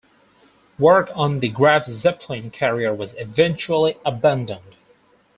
Work on the "Graf Zeppelin" carrier was eventually abandoned.